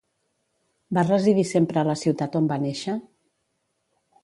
Va residir sempre a la ciutat on va néixer?